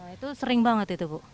itu sering banget itu bu